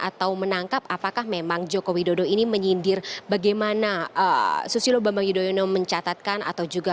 atau menangkap apakah memang joko widodo ini menyindir bagaimana susilo bambang yudhoyono mencatatkan atau juga